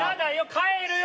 帰るよ！